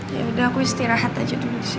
ya udah aku istirahat aja dulu sih